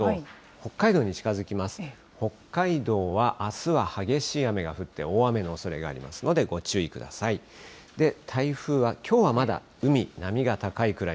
北海道はあすは激しい雨が降って大雨のおそれがありますので、ご注意ください。